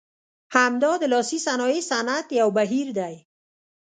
همدا د لاسي صنایع صنعت یو بهیر دی.